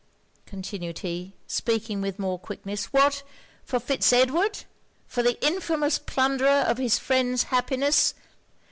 continued he, speaking with more quickness, 'what? for Fitz Edward! for the infamous plunderer of his friend's happiness!